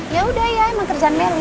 yaudah ya emang kerjaan meli